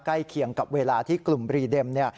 เคียงกับเวลาที่กลุ่มบรีเด็มเนี่ย